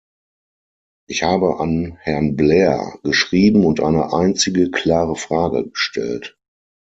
Ich habe an Herrn Blair geschrieben und eine einzige, klare Frage gestellt.